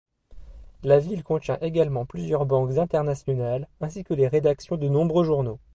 La ville contient également plusieurs banques internationales, ainsi que les rédactions de nombreux journaux.